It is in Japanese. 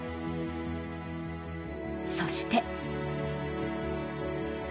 そして。